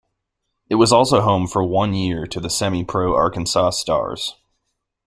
It was also home for one year to the semi-pro Arkansas Stars.